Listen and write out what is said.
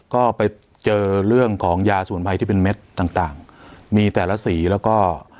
ก็ไปเจอเรื่องของยาสมุนไพรที่เป็นเม็ดต่างต่างมีแต่ละสีแล้วก็